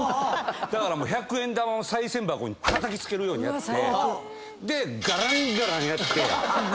だから百円玉をさい銭箱にたたきつけるようにやってガランガランやって。